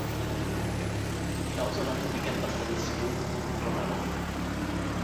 It also runs a weekend bus service to Cronulla.